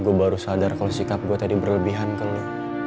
gue baru sadar kalau sikap gue tadi berlebihan kali